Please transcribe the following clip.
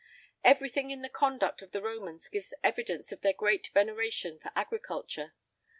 Everything in the conduct of the Romans gives evidence of their great veneration for agriculture.